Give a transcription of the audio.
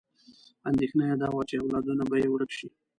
اندېښنه یې دا وه چې اولادونه به یې ورک شي.